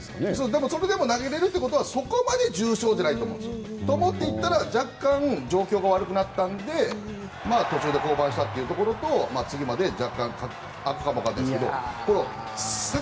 でもそれでも投げられるということはそこまで重傷じゃないと。と思って行ったら若干、状況が悪くなったので降板したというところと次まで若干あるかもわからないですがこの、先。